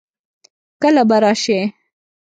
کله به راسې؟